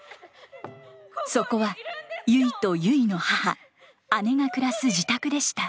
そこはゆいとゆいの母姉が暮らす自宅でした。